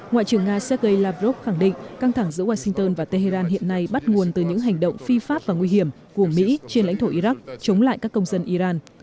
ngoại trưởng nga sergei lavrov khẳng định căng thẳng giữa washington và tehran hiện nay bắt nguồn từ những hành động phi pháp và nguy hiểm của mỹ trên lãnh thổ iraq chống lại các công dân iran